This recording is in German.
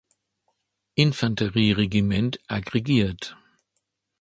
Infanterie-Regiment aggregiert.